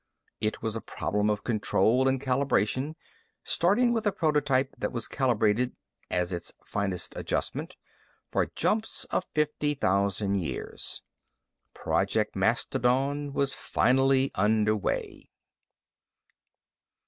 It was a problem of control and calibration starting with a prototype that was calibrated, as its finest adjustment, for jumps of 50,000 years. Project Mastodon was finally under way.